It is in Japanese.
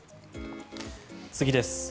次です。